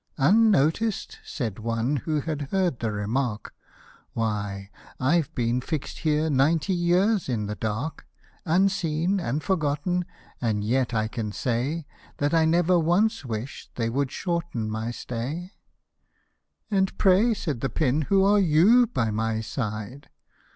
" Unnoticed !" said one, who had heard the remark ;" Why, I've been fix'd here ninety years in the dark, Unseen and forgotten, and yet, I can say, That I never once wish'd they would shorten my stay. " And, pray," said the pin, " who are you by my side?"